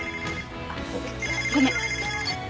ごめん。